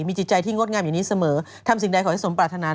มีจิตใจที่งดงามอยู่นี้เสมอทำสิ่งใดขอให้สมปรารถนา